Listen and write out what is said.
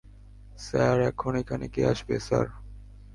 Sir, এখন এখানে কে আসবে, স্যার?